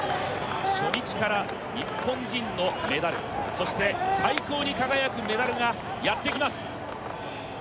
初日から日本人のメダルそして最高に輝くメダルがやってきます